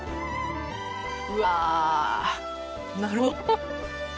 うわなるほど。